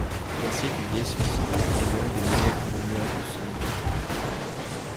Jasikevičius est l'un des meilleurs meneurs de son époque.